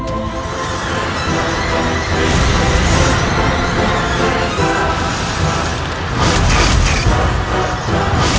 nanda prabu munding layang